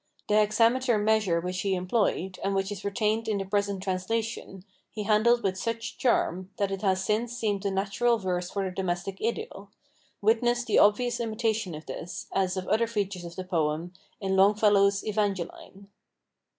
The hexameter measure which he employed, and which is retained in the present translation, he handled with such charm that it has since seemed the natural verse for the domestic idyl witness the obvious imitation of this, as of other features of the poem, in Longfellow's "Evangeline."